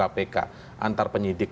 antara penyidik penyelidikan dan politik